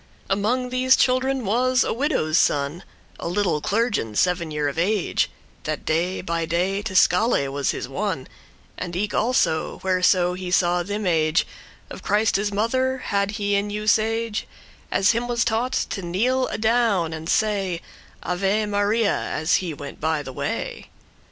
Among these children was a widow's son, A little clergion,* seven year of age, *young clerk or scholar That day by day to scholay* was his won, *study wont And eke also, whereso he saw th' image Of Christe's mother, had he in usage, As him was taught, to kneel adown, and say Ave Maria as he went by the way.